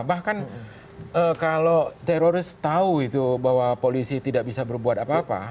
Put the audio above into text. bahkan kalau teroris tahu itu bahwa polisi tidak bisa berbuat apa apa